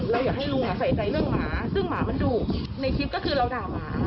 อยากให้ลุงใส่ใจเรื่องหมาซึ่งหมามันดุในคลิปก็คือเราด่าหมา